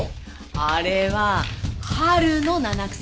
あれは春の七草。